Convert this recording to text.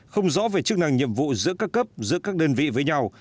không rõ về chức năng nhiệm vụ giữa các cấp giữa các đơn vị với nhau